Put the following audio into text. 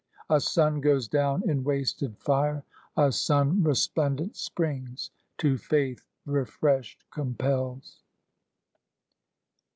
A Sun goes down in wasted fire, a Sun Resplendent springs, to faith refreshed compels.